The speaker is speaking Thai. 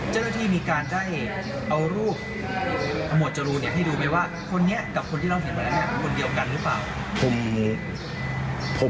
เจ้าหน้าที่มีการได้เอารูปหมวดจรูนเนี่ยให้ดูไหมว่าคนนี้กับคนที่เราเห็นวันนั้นคนเดียวกันหรือเปล่า